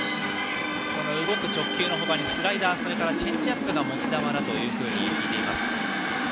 動く直球の他にスライダー、チェンジアップが持ち球だといっていました。